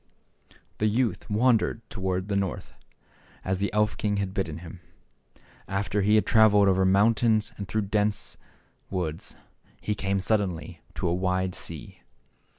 The youth wandered toward the North, as the elf king had bidden him. After he had traveled over mountains and through dense Ik, woods, he came suddenly to a wide sea.